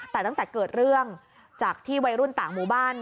แต่ตั้งแต่เกิดเรื่องจากที่วัยรุ่นต่างหมู่บ้าน